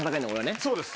そうです。